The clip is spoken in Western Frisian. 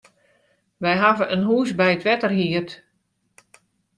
Wy hawwe in hûs by it wetter hierd.